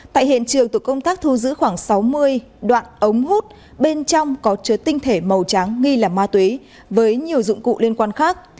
tại hiện trường tục công tác thu giữ khoảng sáu mươi đoạn ống hút bên trong có chứa tinh thể màu trắng nghi là ma túy với nhiều dụng cụ liên quan khác